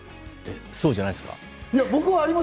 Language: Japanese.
そうじゃないですか？